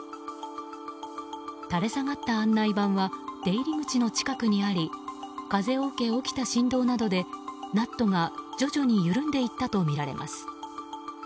垂れ下がった案内板は出入り口の近くにあり風を受け、起きた振動などでナットが徐々に緩んでいったとみられます。